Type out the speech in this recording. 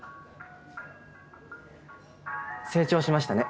成長しましたね。